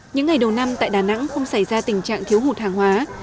những ngày đầu năm tại đà nẵng không xảy ra tình trạng thiếu hụt hàng hóa